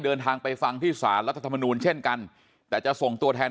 เดินทางไปฟังที่สารรัฐธรรมนูลเช่นกันแต่จะส่งตัวแทน